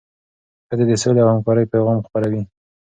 ښځې د سولې او همکارۍ پیغام خپروي.